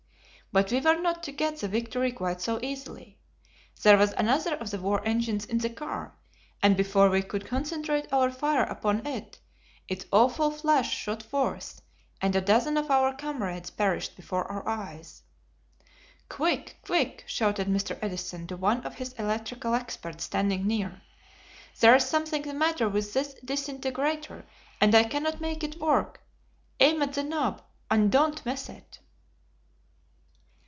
But we were not to get the victory quite so easily. There was another of the war engines in the car, and before we could concentrate our fire upon it, its awful flash shot forth, and a dozen of our comrades perished before our eyes. "Quick! Quick!" shouted Mr. Edison to one of his electrical experts standing near. "There is something the matter with this disintegrator, and I cannot make it work. Aim at the knob, and don't miss it."